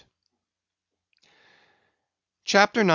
CHAPTER 96.